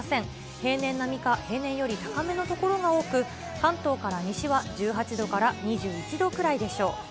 平年並みか、平年より高めの所が多く、関東から西は１８度から２１度くらいでしょう。